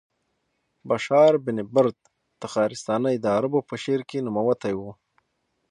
بشار بن برد تخارستاني د عربو په شعر کې نوموتی و.